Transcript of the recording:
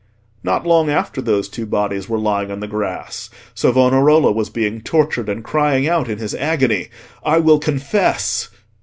Not long after those two bodies were lying in the grass, Savonarola was being tortured, and crying out in his agony, "I will confess!"